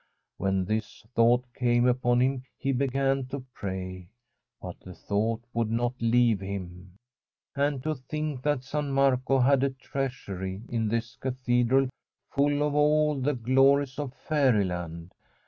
When this thought came upon him he began to pray; but the thought would not leave him. And to think that San Marco had a treasury in this cathedral full of all the glories of fairyland